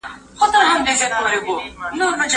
اوس دي دید کړم بیا به دید په کلو نه وي